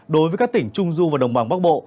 đối với các tỉnh trung du và đồng bằng bắc bộ